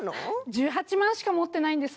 １８万しか持ってないんです。